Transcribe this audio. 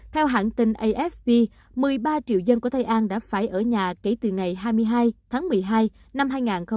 theo hãng tin afp một mươi ba triệu dân của thái an đã phải ở nhà kể từ ngày hai mươi hai tháng một mươi hai năm hai nghìn hai mươi